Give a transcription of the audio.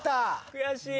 悔しい。